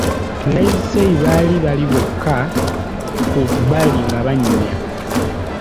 Livesey baali bali bokka ku bbali nga banyumya.